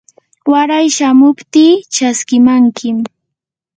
waray chamuptii chaskimankim.